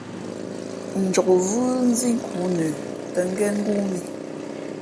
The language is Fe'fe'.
Njokvʉ́ nzí nkhǔ nə tα ngén ngóó mǐ.